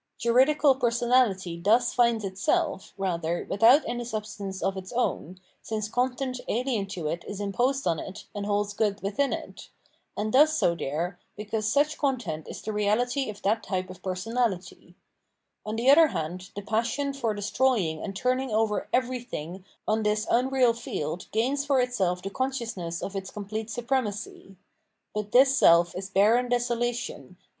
Juridical personality thus finds itself, rather, without any substance of its own, since content alien to it is imposed on it and holds good within it, — and does so there, because such content is the reahty of that type of personality. On the other hand the passion for destroying and turning over everything on this unreal field gains for itself the consciousness of its complete supremacy. But this self is barren desolation, and * Cp. with the above Hobbes^ Leviathan.